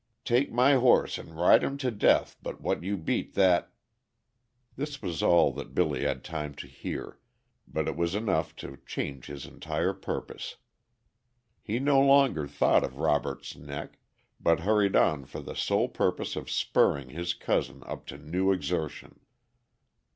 Take, my horse and ride him to death but what you beat that " This was all that Billy had time to hear, but it was enough to change his entire purpose. He no longer thought of Robert's neck, but hurried on for the sole purpose of spurring his cousin up to new exertion.